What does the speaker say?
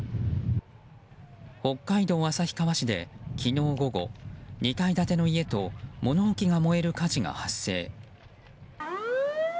北海道旭川市で昨日午後２階建ての家と物置が燃える火事が発生。